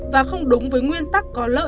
và không đúng với nguyên tắc có lợi